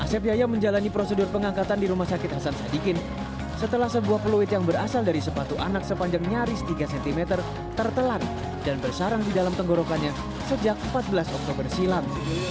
asep yaya menjalani prosedur pengangkatan di rumah sakit hasan sadikin setelah sebuah peluit yang berasal dari sepatu anak sepanjang nyaris tiga cm tertelan dan bersarang di dalam tenggorokannya sejak empat belas oktober silam